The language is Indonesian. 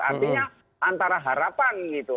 artinya antara harapan gitu